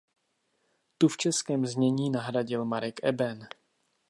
Tu v českém znění nahradil Marek Eben.